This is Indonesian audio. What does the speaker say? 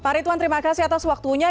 pak ritwan terima kasih atas waktunya